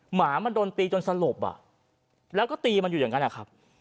หมามันโดนตีจนสลบอ่ะแล้วก็ตีมันอยู่อย่างนั้นนะครับ